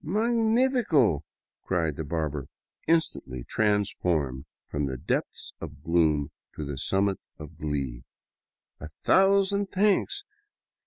" Magnifico !" cried the barber, instantly transformed from the depths of gloom to the summits of glee, " A thousand thanks.